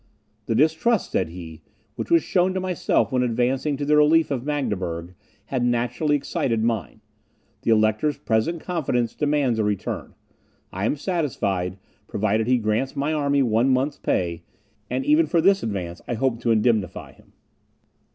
"The distrust," said he, "which was shown to myself when advancing to the relief of Magdeburg, had naturally excited mine; the Elector's present confidence demands a return. I am satisfied, provided he grants my army one month's pay, and even for this advance I hope to indemnify him."